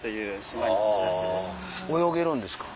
泳げるんですか？